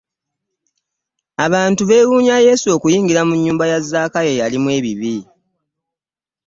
Abantu bewuunya Yesu okuyingira mu nyumba ya Zakayo eyalina ebibi.